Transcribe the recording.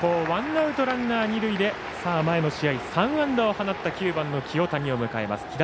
ワンアウト、ランナー、二塁で前の試合、３安打を放った９番の清谷を迎えます。